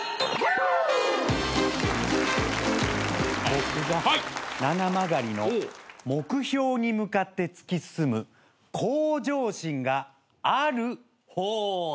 僕がななまがりの目標に向かって突き進む向上心がある方で。